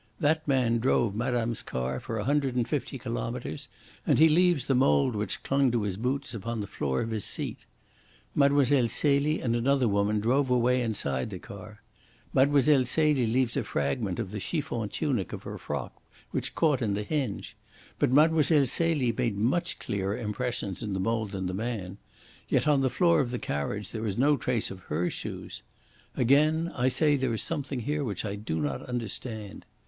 That man drove madame's car for a hundred and fifty kilometres, and he leaves the mould which clung to his boots upon the floor of his seat. Mlle. Celie and another woman drove away inside the car. Mlle. Celie leaves a fragment of the chiffon tunic of her frock which caught in the hinge. But Mlle. Celie made much clearer impressions in the mould than the man. Yet on the floor of the carriage there is no trace of her shoes. Again I say there is something here which I do not understand."